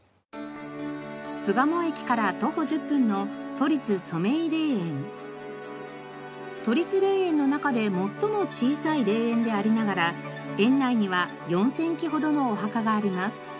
巣鴨駅から徒歩１０分の都立霊園の中で最も小さい霊園でありながら園内には４０００基ほどのお墓があります。